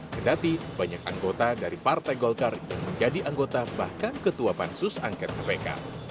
kedati banyak anggota dari partai golkar yang menjadi anggota bahkan ketua pansus angket kpk